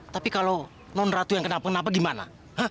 tapi kalau non ratu yang kenapa kenapa gimana